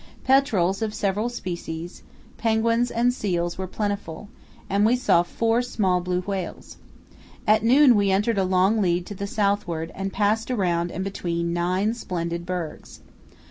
Petrels of several species, penguins, and seals were plentiful, and we saw four small blue whales. At noon we entered a long lead to the southward and passed around and between nine splendid bergs.